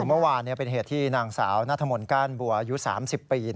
ถือเมื่อวานเป็นเหตุที่นางสาวนาธรรมน์ก้านบัวยู๓๐ปี